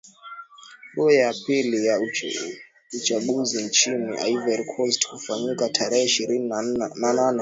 ru ya pili ya uchaguzi nchini ivory coast kufanyika tarehe ishirini na nane